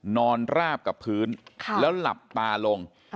ราบกับพื้นแล้วหลับตาลง